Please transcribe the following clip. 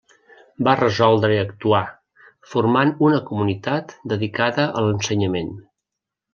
Va resoldre actuar, formant una comunitat dedicada a l'ensenyament.